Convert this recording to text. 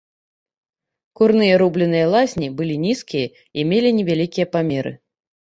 Курныя рубленыя лазні былі нізкія і мелі невялікія памеры.